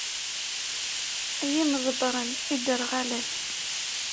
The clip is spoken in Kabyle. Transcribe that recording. Ay imḍebbren iderɣalen!